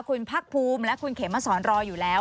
คุณพักภูมิและคุณเขมสอนรออยู่แล้ว